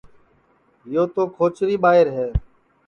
سونکی تو کھوچری ٻائیر ہے